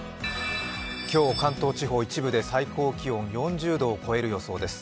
今日関東地方、一部で最高気温４０度を超える予想です。